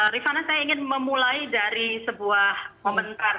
rifana saya ingin memulai dari sebuah komentar